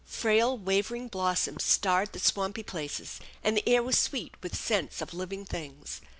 Frail wavering blossoms starred the swampy places, and the air was sweet with scents of living things.